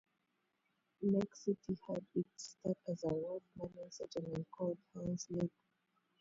Neck City had its start as a rough mining settlement called Hell's Neck.